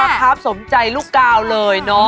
ลายประทับสมใจลูกกราวเลยเนอะ